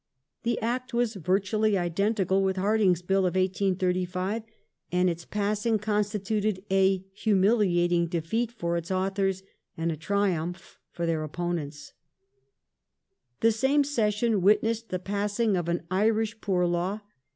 The Act was virtually identical with Hardinge's Bill of 1836 ; and its passing constituted a humiliat ing defeat for its authors, and a triumph for their opponents. Irish Poor The same session witnessed the passing of an Irish Poor Law.